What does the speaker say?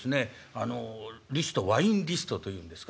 あのリストワインリストというんですか？